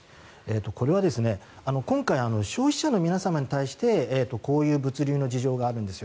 これは今回消費者の皆様に対してこういう物流の事情があるんですよ